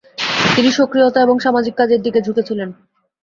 তিনি সক্রিয়তা এবং সামাজিক কাজের দিকে ঝুঁকেছিলেন।